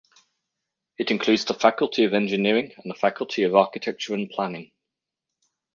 It includes the Faculty of Engineering and the Faculty of Architecture and Planning.